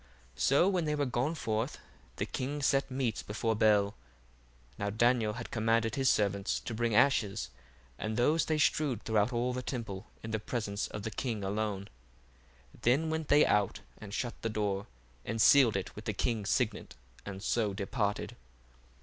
1:14 So when they were gone forth, the king set meats before Bel. Now Daniel had commanded his servants to bring ashes, and those they strewed throughout all the temple in the presence of the king alone: then went they out, and shut the door, and sealed it with the king's signet, and so departed.